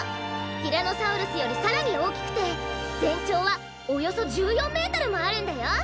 ティラノサウルスよりさらにおおきくてぜんちょうはおよそ１４メートルもあるんだよ！